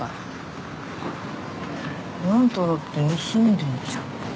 あんただって盗んでんじゃん。